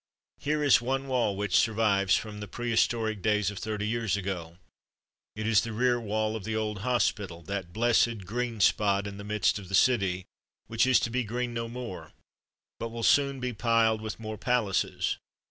Here is one wall which survives from the prehistoric days of thirty years ago; it is the rear wall of the old hospital, that blessed green spot in the midst of the city, which is to be green no more, but will soon be piled with more palaces.